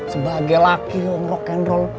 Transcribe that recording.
sebagai laki lu ngerok nrol